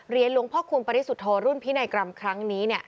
หลวงพ่อคูณปริสุทธโธรุ่นพินัยกรรมครั้งนี้